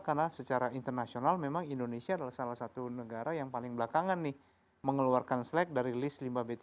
karena secara internasional memang indonesia adalah salah satu negara yang paling belakangan nih mengeluarkan slack dari list limbah b tiga